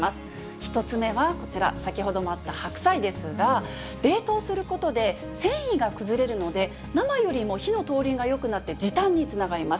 １つ目はこちら、先ほどもあった白菜ですが、冷凍することで繊維が崩れるので、生よりも火の通りがよくなって時短につながります。